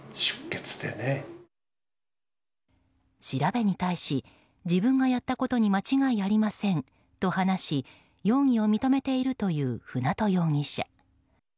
調べに対し自分がやったことに間違いありませんと話し容疑を認めているという舟渡容疑者。